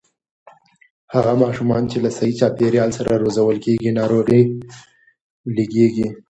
هغه ماشومان چې له صحي چاپېريال سره روزل کېږي، ناروغۍ لږېږي.